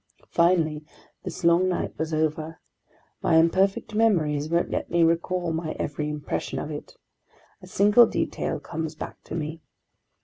Finally this long night was over. My imperfect memories won't let me recall my every impression of it. A single detail comes back to me.